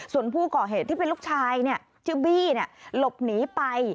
ส่วนผู้ก่อเหตุที่เป็นลูกชายชื่อบี้หลบหนีไป